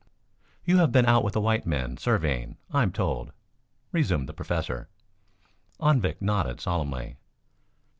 "You have been out with the white men surveying, I am told," resumed the Professor. Anvik nodded solemnly.